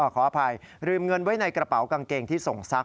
ขออภัยลืมเงินไว้ในกระเป๋ากางเกงที่ส่งซัก